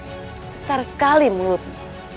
besar sekali mulutmu